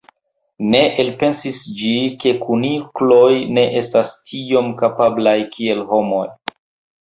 Ne elpensis ĝi, ke kunikloj ne estas tiom kapablaj kiel homoj.